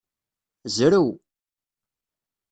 Zrew!